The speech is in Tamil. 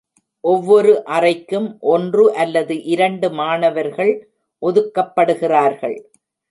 ஒவ்வொரு அறைக்கும் ஒன்று அல்லது இரண்டு மாணவர்கள் ஒதுக்கப்படுகிறார்கள்.